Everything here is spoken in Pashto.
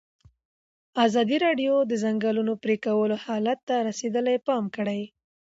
ازادي راډیو د د ځنګلونو پرېکول حالت ته رسېدلي پام کړی.